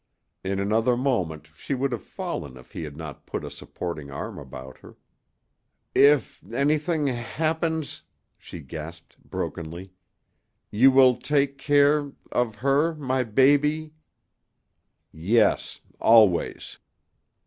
In another moment she would have fallen if he had not put a supporting arm about her. "If anything happens," she gasped, brokenly, "you will take care of her my baby " "Yes always."